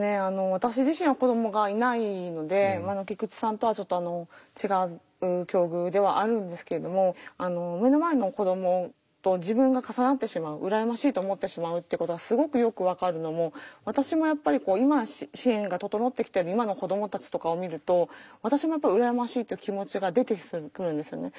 私自身は子どもがいないので菊池さんとはちょっと違う境遇ではあるんですけれども目の前の子どもと自分が重なってしまう羨ましいと思ってしまうってことはすごくよく分かるのも私もやっぱり今は支援が整ってきている今の子どもたちとかを見ると私もやっぱり羨ましいという気持ちが出てくるんですよね。